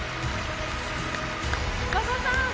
和田さん！